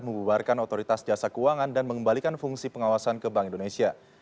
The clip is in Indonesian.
membubarkan otoritas jasa keuangan dan mengembalikan fungsi pengawasan ke bank indonesia